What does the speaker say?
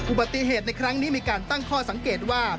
อุบัติเหตุในครั้งนี้มีการตั้งข้อสังเกตว่า